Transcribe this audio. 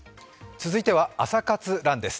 続いては「朝活ＲＵＮ」です。